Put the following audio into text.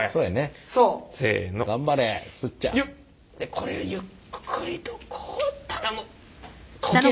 これゆっくりとこう頼む！